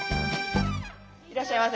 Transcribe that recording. いらっしゃいませ。